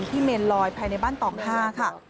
ที่เมนลอยภายในบ้านต่อห้าค่ะ